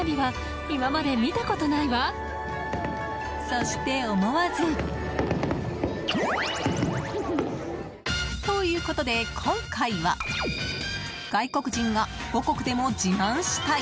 そして思わず。ということで、今回は外国人が母国でも自慢したい！